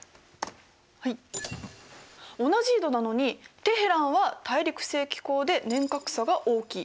同じ緯度なのにテヘランは大陸性気候で年較差が大きい。